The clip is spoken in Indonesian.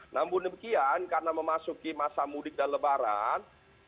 namun demikian karena memasuki masa mudik dan lebaran